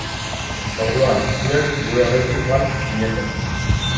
Orduan zuek gure aurretik joan zineten.